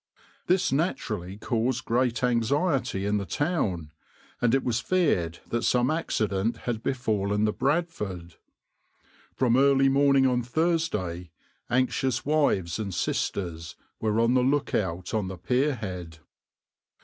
This naturally caused great anxiety in the town, and it was feared that some accident had befallen the {\itshape{Bradford}}. From early morning on Thursday, anxious wives and sisters were on the lookout on the pierhead.